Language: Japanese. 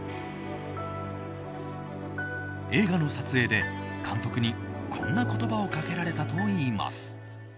映画の撮影で監督にこんな言葉をかけられたといいます。